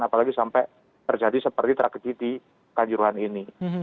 apalagi sampai terjadi seperti tragedi di kanjuruhan ini